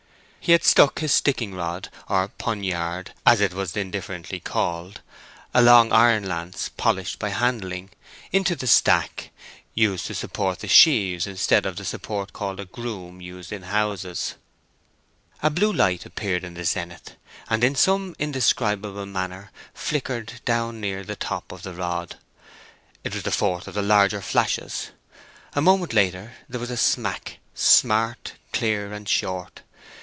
He had stuck his ricking rod, or poniard, as it was indifferently called—a long iron lance, polished by handling—into the stack, used to support the sheaves instead of the support called a groom used on houses. A blue light appeared in the zenith, and in some indescribable manner flickered down near the top of the rod. It was the fourth of the larger flashes. A moment later and there was a smack—smart, clear, and short.